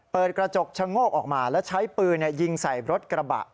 เปิดกระจกชะโงกออกมาแล้วใช้ปืนยิงใส่รถกระบะ